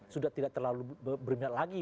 sudah tidak terlalu berminat lagi